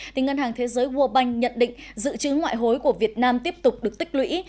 thì ngân hàng thế giới world bank nhận định dự trữ ngoại hối của việt nam tiếp tục được tích lũy